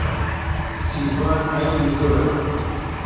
سیروان عەیبی زۆرە.